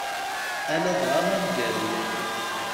A ladɣa aneggaru-ayi.